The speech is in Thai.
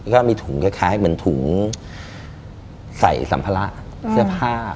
ก็มีถุงคล้ายเหมือนถุงใส่สัมภาระเสื้อผ้า